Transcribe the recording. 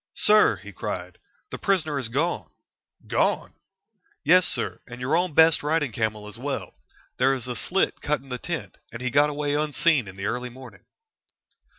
"Sir," he cried, "the prisoner is gone!" "Gone!" "Yes, sir, and your own best riding camel as well. There is a slit cut in the tent, and he got away unseen in the early morning."